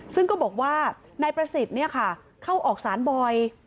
ซึ่งก็บอกว่านายประสิทธิ์อะไรน่ะค่ะเขาออกสารบ่อย